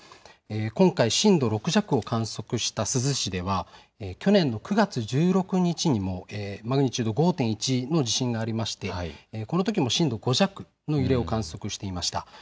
今回、震度６弱を観測した珠洲市では去年の９月１６日にもマグニチュード５．１の地震がありましてこのときも震度５弱の揺れを観測していました。